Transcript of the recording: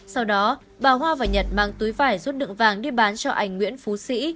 sau đó bà hoa và nhật mang túi vải rút đựng vàng đi bán cho ảnh nguyễn phú sĩ